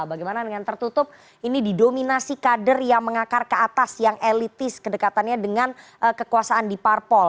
bagaimana dengan tertutup ini didominasi kader yang mengakar ke atas yang elitis kedekatannya dengan kekuasaan di parpol